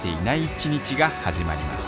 １日が始まります